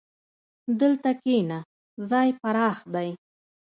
دلته کښېنه، ځای پراخ دی.